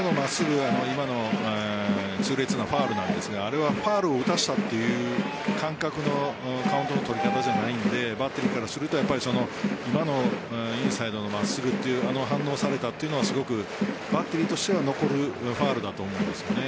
今の痛烈なファウルなんですがあれはファウルを打たせたという感覚のカウントの取り方じゃないのでバッテリーからするとやっぱり今のインサイドの真っ直ぐという反応をされたというのはすごくバッテリーとしては残るファウルだと思います。